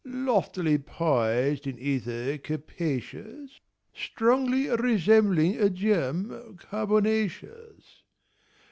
Loftily poised in ether capacious, Strongly resembling a gem carbonaceous.